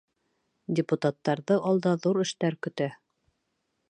Депутаттарҙы алда ҙур эштәр көтә.